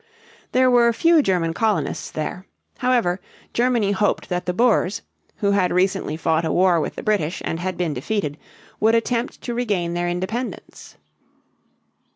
There were few German colonists there. However, Germany hoped that the Boers, who had recently fought a war with the British, and had been defeated, would attempt to regain their independence.